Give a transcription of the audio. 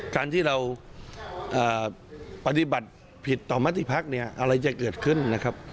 การที่เราปฏิบัติผิดต่อมติภักดิ์เนี่ยอะไรจะเกิดขึ้นนะครับ